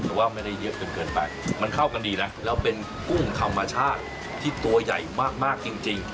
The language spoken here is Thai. ว่าไม่ได้เยอะจนเกินไปมันเข้ากันดีนะแล้วเป็นกุ้งธรรมชาติที่ตัวใหญ่มากจริง